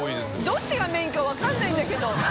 どっちがメインか分からないんだけど。